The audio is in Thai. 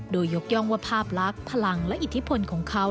โดยยกย่องว่าภาพลักษณ์พลังและอิทธิพลของเขา